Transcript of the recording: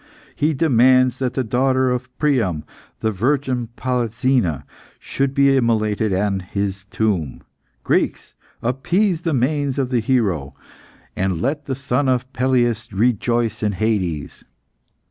He demands that the daughter of Priam, the virgin Polyxena, should be immolated on his tomb. Greeks! appease the manes of the hero, and let the son of Peleus rejoice in Hades."